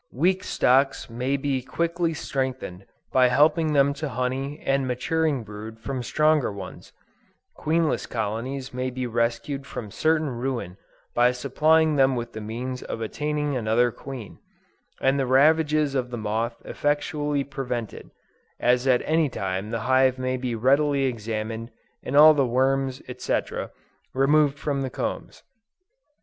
Weak stocks may be quickly strengthened by helping them to honey and maturing brood from stronger ones; queenless colonies may be rescued from certain ruin by supplying them with the means of obtaining another queen; and the ravages of the moth effectually prevented, as at any time the hive may be readily examined and all the worms, &c., removed from the combs.